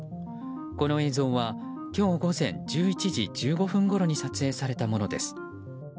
この映像は今日午前１１時１５分ごろに撮影されたものです。